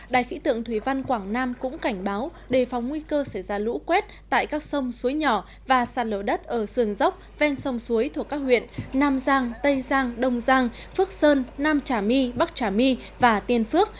đài khí tượng thủy văn quảng nam cũng cảnh báo đề phòng nguy cơ xảy ra lũ quét tại các sông suối nhỏ và sạt lở đất ở sườn dốc ven sông suối thuộc các huyện nam giang tây giang đông giang phước sơn nam trà my bắc trà my và tiên phước